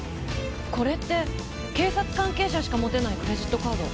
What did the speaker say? これって警察関係者しか持てないクレジットカード。